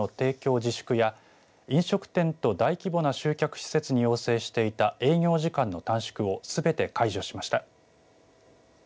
自粛や飲食店と大規模な集客施設に要請していた営業時間の短縮をすべて解除しました。